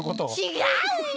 ちがうよ！